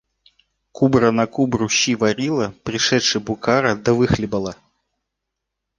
Кубра на кубру щи варила, пришедши букара, да выхлебала.